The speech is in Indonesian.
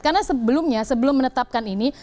karena sebelumnya sebelum menetapkan ini